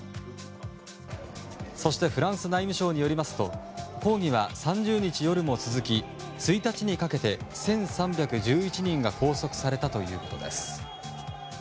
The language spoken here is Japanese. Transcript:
そしてフランス内務省によりますと抗議は３０日夜も続き１日にかけて、１３１１人が拘束されたということです。